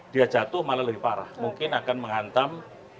dia jatuh malah lebih parah mungkin akan menghantam